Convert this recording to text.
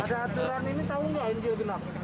ada aturan ini tahu nggak ganjil genap